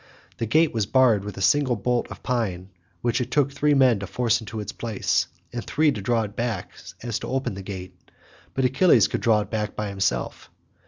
The gate was barred with a single bolt of pine which it took three men to force into its place, and three to draw back so as to open the gate, but Achilles could draw it by himself.